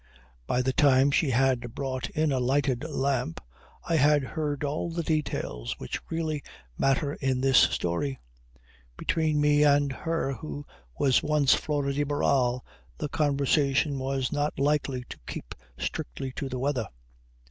By the time she had brought in a lighted lamp I had heard all the details which really matter in this story. Between me and her who was once Flora de Barral the conversation was not likely to keep strictly to the weather.